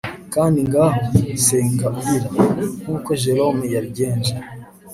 kandi ngaho, senga urira, nkuko jerome yabigenje